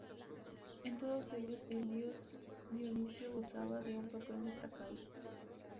En todos ellos, el dios Dioniso gozaba de un papel destacado.